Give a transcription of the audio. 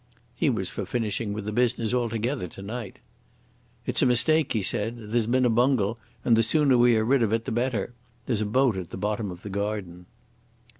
He was for finishing with the business altogether to night. "It's a mistake," he said. "There's been a bungle, and the sooner we are rid of it the better. There's a boat at the bottom of the garden."